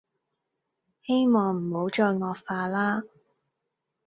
希望唔好再惡化啦